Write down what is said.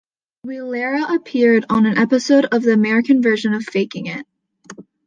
Aguilera appeared on an episode of the American version of "Faking It".